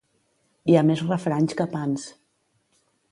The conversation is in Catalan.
Hi ha més refranys que pans.